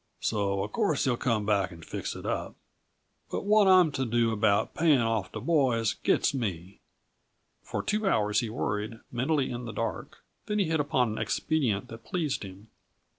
"So uh course he'll come back and fix it up. But what I'm to do about payin' off the boys gets me." For two hours he worried, mentally in the dark. Then he hit upon an expedient that pleased him.